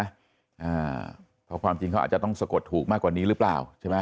อ่าเพราะความจริงเขาอาจจะต้องสะกดถูกมากกว่านี้หรือเปล่าใช่ไหม